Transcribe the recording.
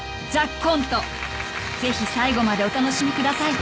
ぜひ最後までお楽しみください］